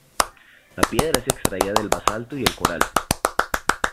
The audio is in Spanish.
La piedra es extraída del basalto y el coral.